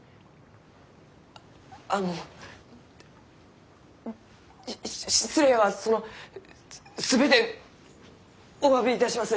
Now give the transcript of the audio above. あのし失礼はその全ておわびいたします！